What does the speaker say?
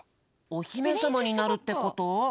おひめさまになるってこと？